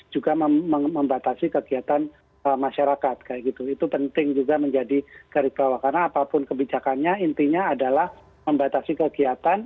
juga membatasi kegiatan masyarakat itu penting juga menjadi garis bawah karena apapun kebijakannya intinya adalah membatasi kegiatan